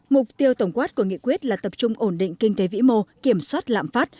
mục tiêu tổng quát của nghị quyết là tập trung ổn định kinh tế vĩ mô kiểm soát lạm phát